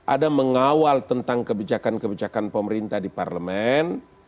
ada mengawal tentang kebijakan kebijakan pemerintah di parlemen